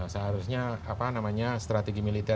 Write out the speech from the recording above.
seharusnya apa namanya strategi militer